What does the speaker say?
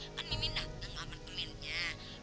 makan mimin dateng ke apartemennya